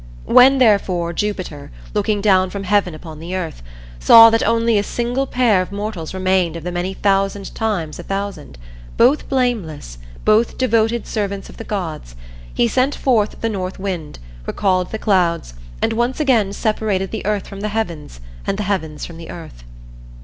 When, therefore, Jupiter, looking down from heaven upon the earth, saw that only a single pair of mortals remained of the many thousand times a thousand, both blameless, both devoted servants of the gods, he sent forth the North Wind, recalled the clouds, and once again separated the earth from the heavens and the heavens from the earth.